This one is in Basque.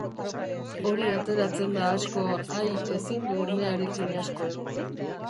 Hori ateratzen da asko hor, ai, ezin du umearekin asko egon.